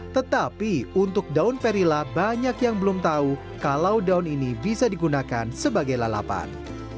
tetapi untuk daun perila banyak yang belum tahu kalau daun ini bisa digunakan sebagai lalapan